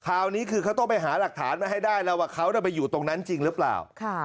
คราวนี้คือเขาต้องไปหาหลักฐานมาให้ได้แล้วว่าเขาไปอยู่ตรงนั้นจริงหรือเปล่า